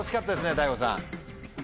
ＤＡＩＧＯさん。